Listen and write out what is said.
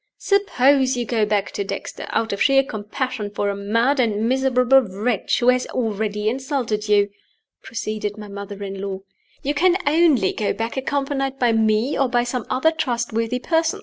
"Suppose you go back to Dexter, out of sheer compassion for a mad and miserable wretch who has already insulted you," proceeded my mother in law. "You can only go back accompanied by me, or by some other trustworthy person.